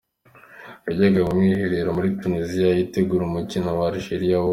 yajyaga mu mwiherero muri Tunisia itegura umukino wa Algeria wo.